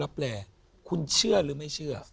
แลคุณเชื่อหรือไม่เชื่อ